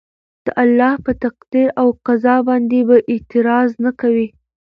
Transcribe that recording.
د الله په تقدير او قضاء باندي به اعتراض نه کوي